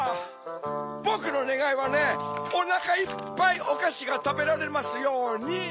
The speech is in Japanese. ぼくのねがいはねおなかいっぱいおかしがたべられますように！